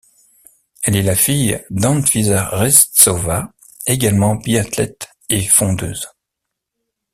Elle est la fille d'Anfisa Reztsova, également biathlète et fondeuse.